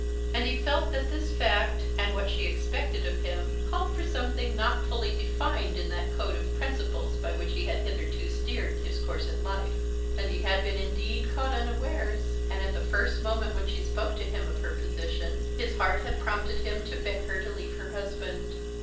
And he felt that this fact and what she expected of him called for something not fully defined in that code of principles by which he had hitherto steered his course in life. And he had been indeed caught unawares, and at the first moment when she spoke to him of her position, his heart had prompted him to beg her to leave her husband.